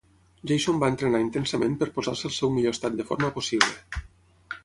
Jason va entrenar intensament per posar-se al seu millor estat de forma possible.